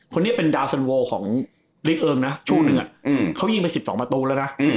คนนี้เป็นดาวสันโวของลิกเอิงนะช่วงหนึ่งเขายิงไป๑๒ประตูแล้วนะ